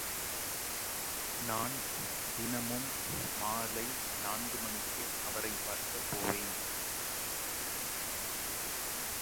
நான் தினமும் மாலை நான்கு மணிக்கு அவரைப் பார்க்கப் போவேன்.